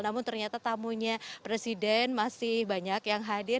namun ternyata tamunya presiden masih banyak yang hadir